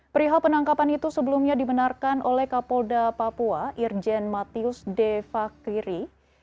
perihal penangkapan itu sebelumnya dibenarkan oleh kapolda papua irjen matius de fakiri